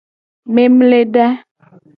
Memleda.